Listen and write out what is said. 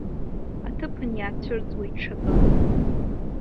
Аҭыԥан иаацәырҵуеит ҽакы.